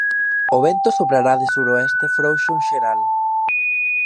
O vento soprará do suroeste frouxo en xeral.